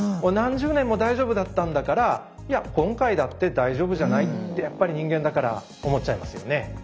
何十年も大丈夫だったんだからいや今回だって大丈夫じゃない？ってやっぱり人間だから思っちゃいますよね。